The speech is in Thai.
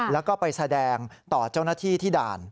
แล้วก็ไปแสดงต่อเจ้าหน้าที่ที่ด่าน